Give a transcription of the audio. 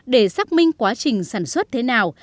để xác minh quá trình sản xuất thế nào